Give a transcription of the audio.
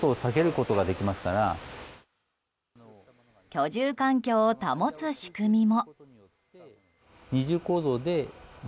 居住環境を保つ仕組みも。